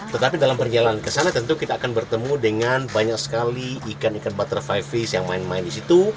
tetapi dalam perjalanan ke sana tentu kita akan bertemu dengan banyak sekali ikan ikan butterfy fish yang main main di situ